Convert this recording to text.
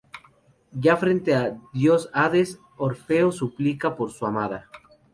Ya frente al dios Hades, Orfeo suplica por su amada.